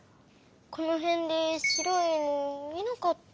このへんでしろいいぬみなかった？